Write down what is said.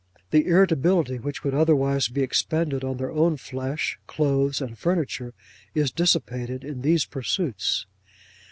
The irritability, which would otherwise be expended on their own flesh, clothes, and furniture, is dissipated in these pursuits.